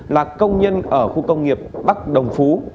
là công nhân ở khu công nghiệp bắc đồng phú